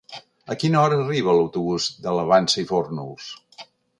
A quina hora arriba l'autobús de la Vansa i Fórnols?